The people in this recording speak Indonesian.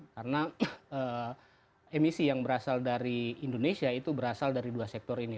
karena emisi yang berasal dari indonesia itu berasal dari dua sektor ini